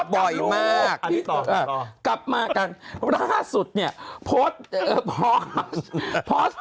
บ่อยมากอันนี้ต่อต่อกลับมากันล่าสุดเนี้ยโพสต์เออพอสต์พอสต์